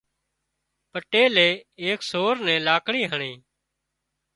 پٽيلي ايڪ سور نين لاڪڙي هڻي